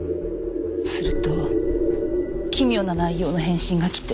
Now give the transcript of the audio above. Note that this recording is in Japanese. すると奇妙な内容の返信が来て。